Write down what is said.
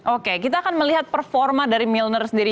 oke kita akan melihat performa dari milner sendiri